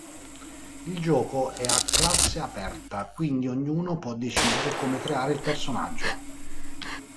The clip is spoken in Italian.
Il gioco è a classe aperta, quindi ognuno può decidere come creare il personaggio.